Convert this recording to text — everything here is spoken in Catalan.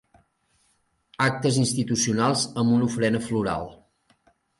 Actes institucionals amb una ofrena floral.